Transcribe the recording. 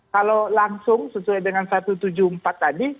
kalau langsung sesuai dengan satu ratus tujuh puluh empat tadi